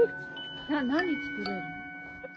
何作れるの？